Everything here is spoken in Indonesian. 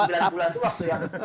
dan sembilan bulan itu waktu yang